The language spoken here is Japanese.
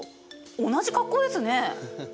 同じ格好ですね？